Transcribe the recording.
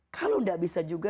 kalau enggak bisa juga